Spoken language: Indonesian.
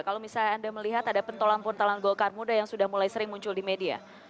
kalau misalnya anda melihat ada pentolan pentolan golkar muda yang sudah mulai sering muncul di media